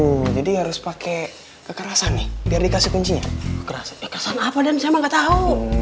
oh jadi harus pakai kekerasan nih biar dikasih kuncinya kerasa kesan apa dan saya nggak tahu